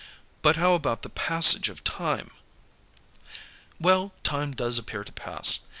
"But how about the 'Passage of Time'?" "Well, time does appear to pass.